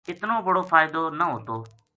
اتنو بڑو فائدو نہ ہوتو